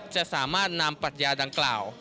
จะสามารถนำปรัชญาดังกล่าว